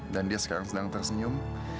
dan dia sekarang sedang tersenyum